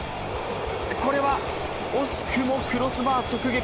これは惜しくもクロスバー直撃。